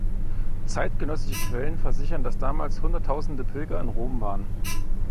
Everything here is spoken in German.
Zeitgenössische Quellen versichern, dass damals Hunderttausende Pilger in Rom waren.